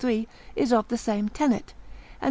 3, is of the same tenet, and P.